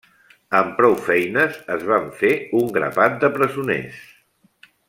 Amb prou feines es van fer un grapat de presoners.